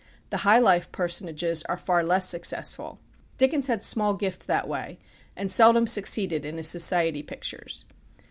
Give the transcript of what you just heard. The high life personages are far less successful. Dickens had small gift that way, and seldom succeeded in his society pictures.